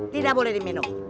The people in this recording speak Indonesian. tidak boleh diminum